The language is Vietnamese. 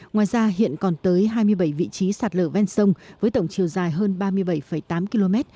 ngoài ra hiện còn tới hai mươi bảy vị trí sạt lở ven sông với tổng chiều dài hơn ba mươi bảy tám km